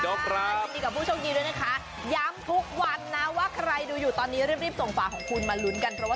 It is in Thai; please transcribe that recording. แชร์วันนี้ทุก๘ธันวาคม๒๕๖๖ประกาศผลทุกวันในรายการตลอดข่าว